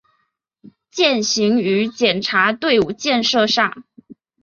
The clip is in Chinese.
践行于检察队伍建设上